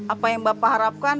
apa yang bapak harapkan